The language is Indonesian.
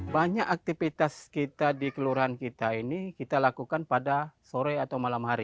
banyak aktivitas kita di kelurahan kita ini kita lakukan pada sore atau malam hari